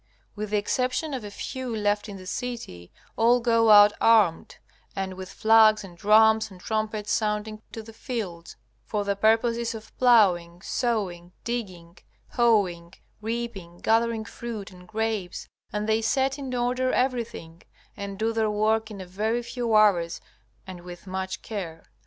With the exception of a few left in the city all go out armed, and with flags and drums and trumpets sounding, to the fields, for the purposes of ploughing, sowing, digging, hoeing, reaping, gathering fruit and grapes; and they set in order everything, and do their work in a very few hours and with much care.